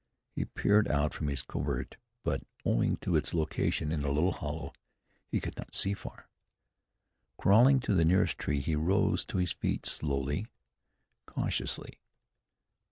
He peered out from his covert; but, owing to its location in a little hollow, he could not see far. Crawling to the nearest tree he rose to his feet slowly, cautiously.